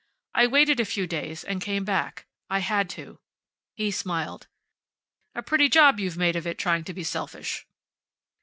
I waited a few days and came back. I had to." He smiled. "A pretty job you've made of trying to be selfish."